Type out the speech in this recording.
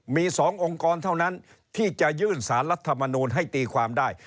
มี๒องค์กรเท่านั้นที่จะยื่นสารรัฐมนูลให้ตีความได้